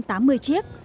hơn tám mươi chiếc